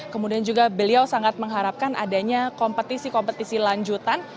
kemudian juga beliau sangat mengharapkan adanya kompetisi kompetisi lanjutan